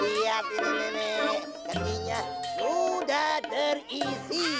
siap ini nenek kendinya sudah terisi